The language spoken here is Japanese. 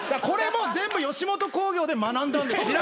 これも全部吉本興業で学んだんです。